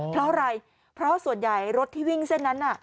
เพราะอะไรเพราะส่วนใหญ่รถที่วิ่งเส้นนั้นน่ะ